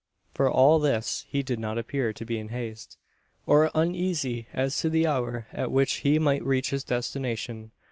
For all this he did not appear to be in haste; or uneasy as to the hour at which he might reach his destination.